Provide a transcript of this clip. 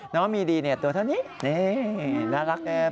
น้องมีดีตัวเท่านี้นี่น่ารักเนี่ย